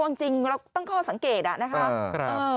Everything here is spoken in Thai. วางจริงว่าตั้งข้อสังเกตนะครับ